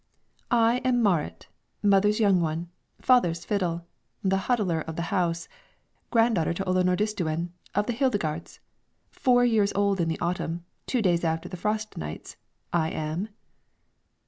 "I am Marit, mother's young one, father's fiddle, the hulder of the house, granddaughter to Ola Nordistuen of the Heidegards, four years old in the autumn, two days after the frost nights I am!"